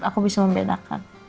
aku bisa membedakan